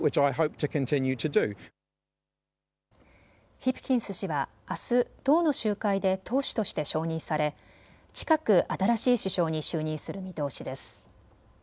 ヒプキンス氏はあす党の集会で党首として承認され近く、新しい首相に就任する見通しです。